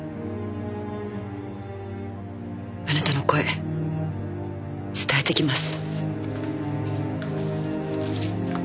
あなたの声伝えてきます。